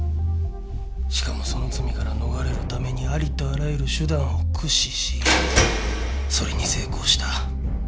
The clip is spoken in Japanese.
しかもその罪から逃れるためにありとあらゆる手段を駆使しそれに成功した。